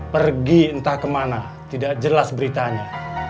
pergi entah kemana tidak jelas beritanya